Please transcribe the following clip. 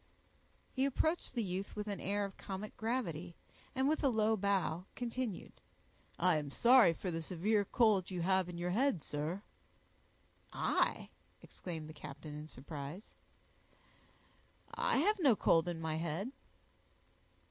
He approached the youth with an air of comic gravity, and with a low bow, continued, "I am sorry for the severe cold you have in your head, sir." "I!" exclaimed the captain, in surprise; "I have no cold in my head."